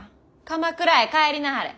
鎌倉へ帰りなはれ。